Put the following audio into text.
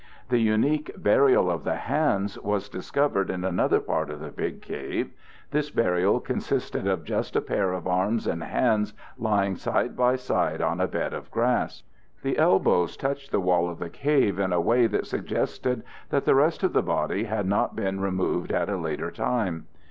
The unique "Burial of the Hands" was discovered in another part of Big Cave. This burial consisted of just a pair of arms and hands lying side by side on a bed of grass. The elbows touched the wall of the cave in a way that suggested that the rest of the body had not been removed at a later time.